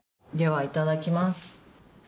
ではいただきます。